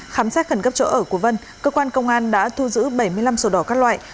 khám xét khẩn cấp chỗ ở của vân cơ quan công an đã thu giữ bảy mươi năm sổ đỏ các loại